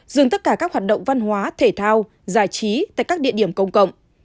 dừng tất cả các hoạt động văn hóa thể thao giải trí tại các địa điểm công cộng